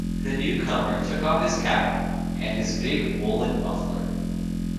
The newcomer took off his cap and his big woollen muffler.